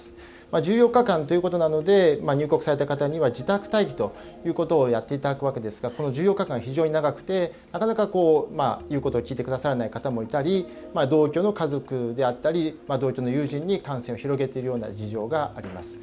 １４日間ということなので入国された方には自宅待機ということをやっていただくわけですがこの１４日間は非常に長くてなかなか言うことを聞いてくださらない方もいらっしゃったり同居の家族であったり同居の友人に感染を広げているような状況があります。